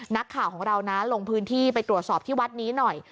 นักข่าวของเรานะลงพื้นที่ไปตรวจสอบที่วัดนี้หน่อย